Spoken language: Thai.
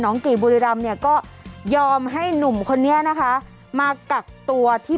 กี่บุรีรำเนี่ยก็ยอมให้หนุ่มคนนี้นะคะมากักตัวที่